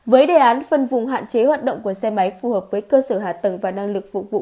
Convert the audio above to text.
với đề án phân vùng hạn chế hoạt động của xe máy phù hợp với cơ sở hạ tầng và năng lực phục vụ